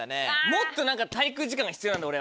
もっと滞空時間が必要なんだ俺。